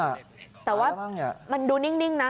แต่ว่ามันดูนิ่งนะ